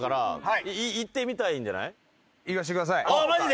マジで？